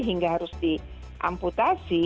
hingga harus diamputasi